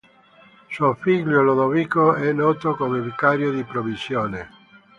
Suo figlio Lodovico è noto come vicario di provvisione.